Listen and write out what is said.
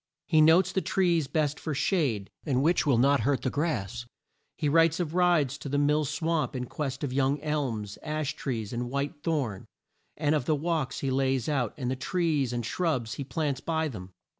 He notes the trees best for shade and which will not hurt the grass. He writes of rides to the Mill Swamp in quest of young elms, ash trees, and white thorn, and of the walks he lays out and the trees and shrubs he plants by them.